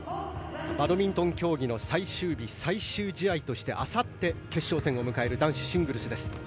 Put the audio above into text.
バドミントン競技の最終日最終試合としてあさって、決勝戦を迎える男子シングルスです。